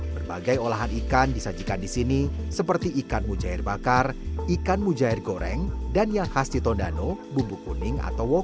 berbagai olahan ikan disajikan di sini seperti ikan mujair bakar ikan mujair goreng dan yang khas di tondano bumbu kuning atau wow